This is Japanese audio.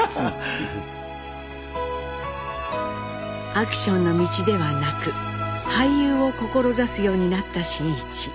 アクションの道ではなく俳優を志すようになった真一。